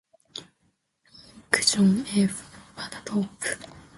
Meek, John F. Over the Top!